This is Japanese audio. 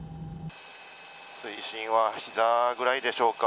水深はひざくらいでしょうか。